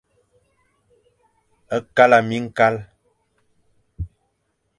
Kala miñkal.